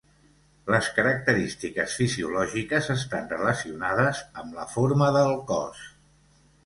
Les característiques fisiològiques estan relacionades amb la forma de el cos.